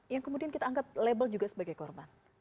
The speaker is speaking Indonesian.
yang kemudian kita anggap label juga sebagai korban